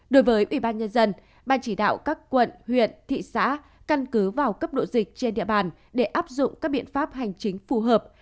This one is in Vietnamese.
đối với ubnd ban chỉ đạo các quận huyện thị xã căn cứ vào cấp độ dịch trên địa bàn để áp dụng các biện pháp hành chính phù hợp